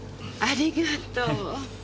ありがとう。